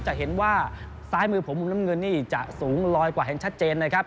จะเห็นว่าซ้ายมือผมมุมน้ำเงินนี่จะสูงลอยกว่าเห็นชัดเจนนะครับ